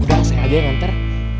udah saya aja yang nganter